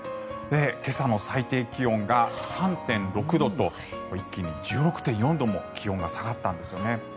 今朝の最低気温が３．６度と一気に１６．４度も気温が下がったんですよね。